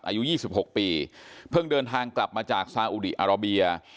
อายุ๒๖ปีเพิ่งเดินทางกลับมาจากซาอุดีอาราเบีย